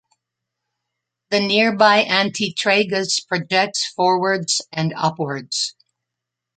The nearby antitragus projects forwards and upwards.